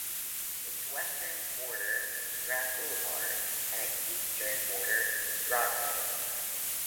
Its western border is Grand Boulevard and its eastern border is Broadway.